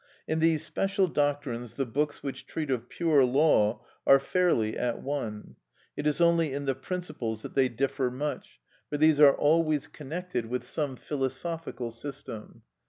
In these special doctrines the books which treat of pure law are fairly at one; it is only in the principles that they differ much, for these are always connected with some philosophical system.